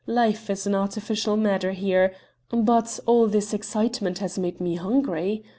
Life is an artificial matter here. But all this excitement has made me hungry.